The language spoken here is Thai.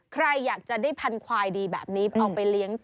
ใครอยากจะได้พันธวายดีแบบนี้เอาไปเลี้ยงต่อ